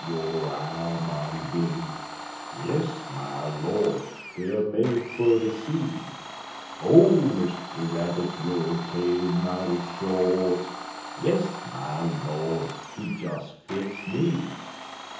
yo' eye mighty big Yes, my Lord! dey er made fer ter see; O Mr. Rabbit! yo' tail mighty short Yes, my Lord! hit des fits me!